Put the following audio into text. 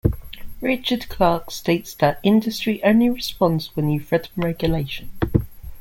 Richard Clarke states that, industry only responds when you threaten regulation.